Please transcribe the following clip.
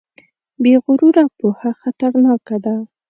بې غروره پوهه خطرناکه ده.